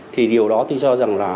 thì điều đó tôi cho rằng là